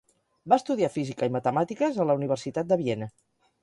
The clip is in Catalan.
Va estudiar física i matemàtiques a la Universitat de Viena.